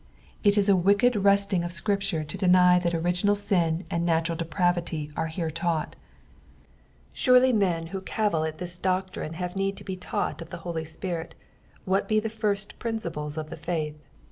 It is a wicked wresting of Scripture to deny that original sin and natural depravity are hero taught. Surely men who cavil at this doctrine have need to be taught of llio Holy Spirit what he the first principles of the faith.